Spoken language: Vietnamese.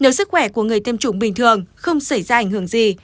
nếu sức khỏe của người tiêm chủng bình thường không xảy ra ảnh hưởng gì